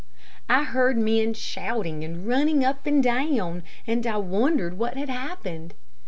I heard men shouting and running up and down, and I wondered what had happened.